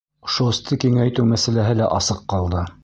ШОС-ты киңәйтеү мәсьәләһе лә асыҡ ҡалды.